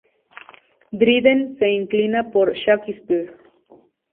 Dryden se inclina por Shakespeare.